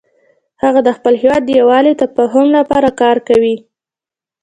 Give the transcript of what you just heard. هغه د خپل هیواد د یووالي او تفاهم لپاره کار کوي